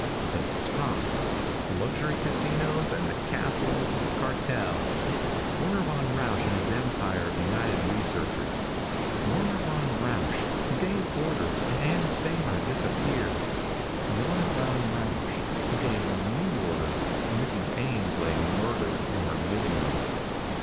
The top! Luxury casinos and the castles of the cartels. Werner von Rausch and his empire of United Researchers. Werner von Rausch, who gave orders and Ann Saymer disappeared. Werner von Rausch, who gave new orders and Mrs. Ames lay murdered in her living room.